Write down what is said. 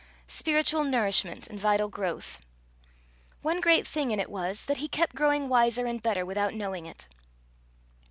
spiritual nourishment and vital growth. One great thing in it was, that he kept growing wiser and better without knowing it.